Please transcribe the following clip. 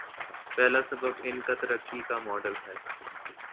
پہلا سبب ان کا ترقی کاماڈل ہے۔